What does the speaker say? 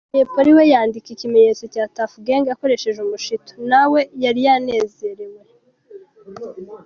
Jay Polly we yandika ikimenyetso cya Tuff Gang akoresheje umushito!!! Nawe yari yanezerewe.